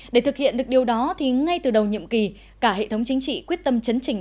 để thực hiện được điều đó thì ngay từ đầu nhiệm kỳ cả hệ thống chính trị quyết tâm chấn trình